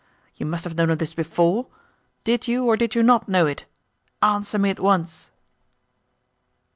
You must have known of this before? Did you, or did you not, know it? Answer me at once."